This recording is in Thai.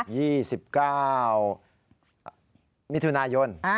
ใช่๒๙นี่ทุนายน